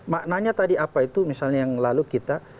maknanya tadi apa itu misalnya yang lalu kita